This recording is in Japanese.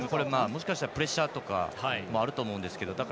もしかしたらプレッシャーとかもあると思うんですけど。